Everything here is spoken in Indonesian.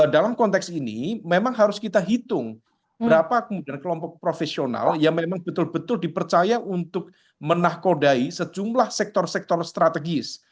dalam konteks ini memang harus kita hitung berapa kemudian kelompok profesional yang memang betul betul dipercaya untuk menakodai sejumlah sektor sektor strategis